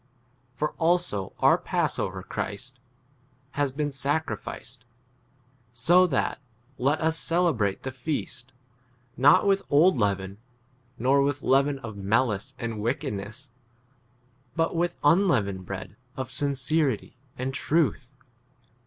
For also our passover, 8 Christ, has been sacrificed ; x so that let us celebrate the feast, not with old leaven, nor with leaven of malice and wickedness, but with unleavened [bread] of sincerity and truth.